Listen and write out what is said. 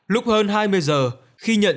lúc hơn hai mươi giờ khi nhận ra